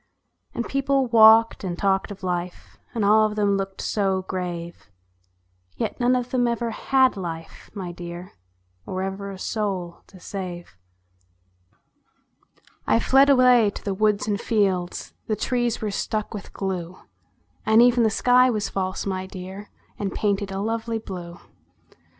And people walked and talked of life, And all of them looked so grave ; Yet none of them ever had life, my dear, Or ever a soul to save. I fled away to the woods and fields ; The trees were stuck with glue ; And even the sky was false, my dear, And painted a lovely blue.